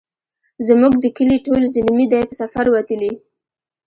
زموږ د کلې ټول زلمي دی په سفر وتلي